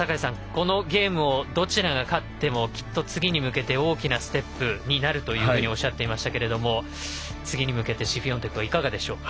このゲームをどちらが勝ってもきっと次に向けて大きなステップになるとおっしゃっていましたが次に向けてシフィオンテクはいかがでしょう？